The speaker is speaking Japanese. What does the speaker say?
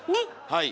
はい。